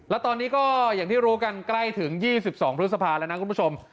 แล้วตอนนี้ก็อย่างที่รู้กันใกล้ถึง๒๒พฤษภาแล้วนะคุณผู้ชม